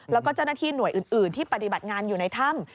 แล้วก็เจ้าหน้าที่หน่วยอื่นที่ปฏิบัติงานอยู่ในถ้ำ